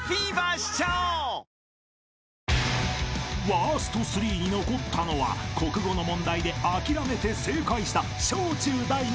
［ワースト３に残ったのは国語の問題で諦めて正解した］